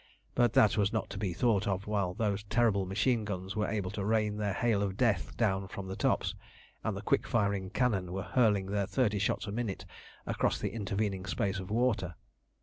But that was not to be thought of while those terrible machine guns were able to rain their hail of death down from the tops, and the quick firing cannon were hurling their thirty shots a minute across the intervening space of water.